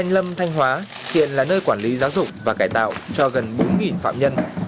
lâm thanh hóa hiện là nơi quản lý giáo dục và cải tạo cho gần bốn phạm nhân